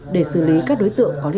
để xử lý các đối tượng